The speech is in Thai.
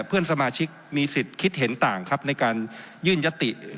เพื่อนสมาชิกมีสิทธิ์คิดเห็นต่างครับในการยื่นยติ